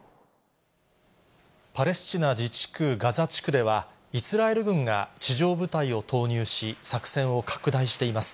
パレスチナ自治区ガザ地区では、イスラエル軍が地上部隊を投入し、作戦を拡大しています。